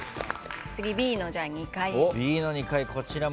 次Ｂの２階。